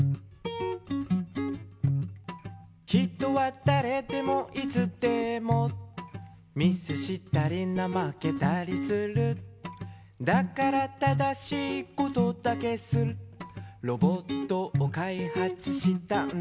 「人はだれでもいつでもミスしたりなまけたりする」「だから正しいことだけするロボットをかいはつしたんだ」